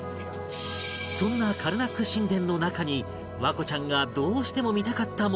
そんなカルナック神殿の中に環子ちゃんがどうしても見たかったものが２つ